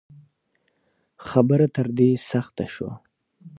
خبره تر دې سخته شوه